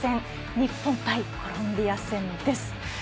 日本対コロンビア戦です。